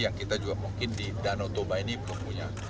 yang kita juga mungkin di danau toba ini belum punya